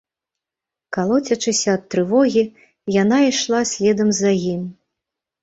Калоцячыся ад трывогі, яна ішла следам за ім.